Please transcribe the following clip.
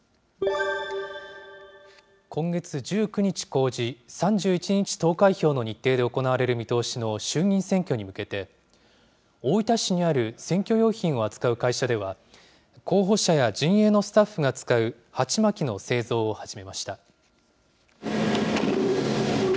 今月１９日公示、３１日投開票の日程で行われる見通しの衆議院選挙に向けて、大分市にある選挙用品を扱う会社では、候補者や陣営のスタッフが使う鉢巻きの製造を始めました。